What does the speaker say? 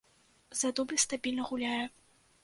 За дубль стабільна гуляе.